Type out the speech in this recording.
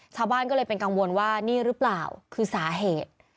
ชาวบ้านก็เลยเป็นกังวลว่านี่หรือเปล่าคือสาเหตุ